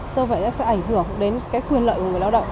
do vậy sẽ ảnh hưởng đến quyền lợi của người lao động